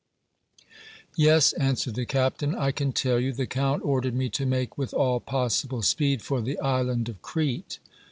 "Yes," answered the captain, "I can tell you. The Count ordered me to make with all possible speed for the Island of Crete."